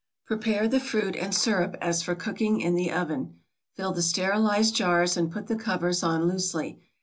Prepare the fruit and sirup as for cooking in the oven. Fill the sterilized jars and put the covers on loosely.